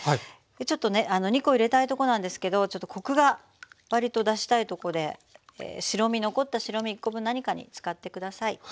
ちょっとね２コ入れたいとこなんですけどちょっとコクがわりと出したいとこで残った白身１コ分何かに使って下さい。